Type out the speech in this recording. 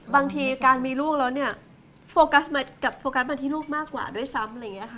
บางทีการมีลูกแล้วเนี่ยโฟกัสกับโฟกัสมาที่ลูกมากกว่าด้วยซ้ำอะไรอย่างนี้ค่ะ